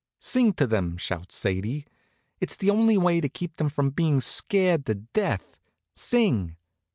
"Sing to them!" shouts Sadie. "It's the only way to keep them from being scared to death. Sing!"